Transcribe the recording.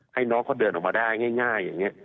ให้น้องเขาเดินออกมาได้ง่ายอย่างนี้